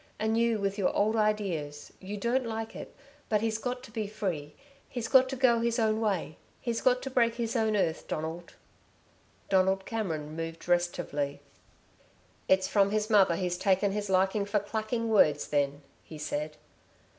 And you with your old ideas you don't like it but he's got to be free he's got to go his own way he's got to break his own earth, Donald." Donald Cameron moved restively. "It's from his mother he's taken his liking for clacking words, then," he said.